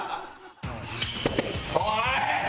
おい！